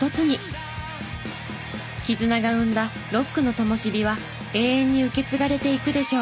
絆が生んだロックのともしびは永遠に受け継がれていくでしょう。